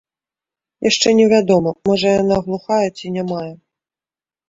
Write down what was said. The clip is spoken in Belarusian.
Яшчэ невядома, можа, яна глухая ці нямая.